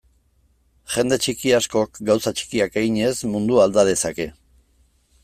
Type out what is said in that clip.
Jende txiki askok, gauza txikiak eginez, mundua alda dezake.